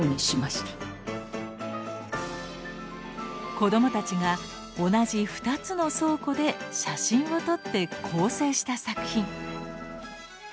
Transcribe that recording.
子どもたちが同じ２つの倉庫で写真を撮って構成した作品。